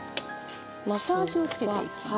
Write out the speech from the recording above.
下味をつけていきます。